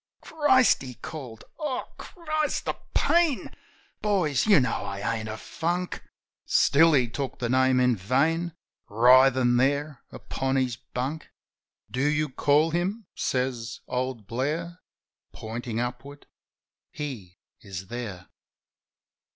"Christ !" he called. "O, Christ, the pain ! Boys, you know I ain't a funk." Still he took the Name in vain, Writhin' there upon his bunk. "Do you call Him?" says old Blair, Pointin' upward. "He is there."